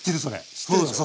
知ってるでしょ。